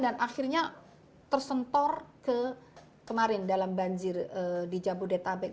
dan akhirnya tersentor kemarin dalam banjir di jabodetabek